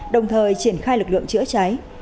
đồng thời triển khai lực lượng chữa cháy